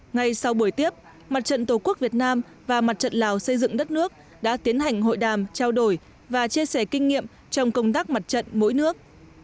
ngay sau buổi tiếp mặt trận tổ quốc việt nam và mặt trận lào xây dựng đất nước đã tiến hành hội đàm trao đổi và chia sẻ kinh nghiệm trong công tác mặt trận mỗi nước